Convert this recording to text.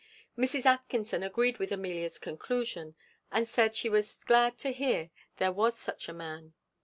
Mrs. Atkinson agreed with Amelia's conclusion, and said she was glad to hear there was any such man.